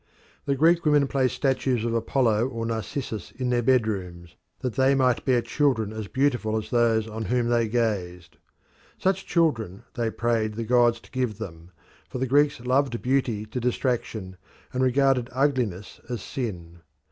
The Greek women placed statues of Apollo or Narcissus in their bedrooms, that they might bear children as beautiful as those on whom they gazed. Such children they prayed the gods to give them, for the Greeks loved beauty to distraction, and regarded ugliness as sin.